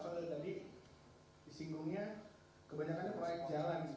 soalnya tadi disinggungnya kebanyakannya proyek jalan gitu